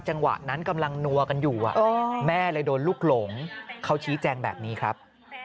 จังหวะนั้นกำลังนัวกันอยู่แม่เลยโดนลูกหลงเขาชี้แจงแบบนี้ครับ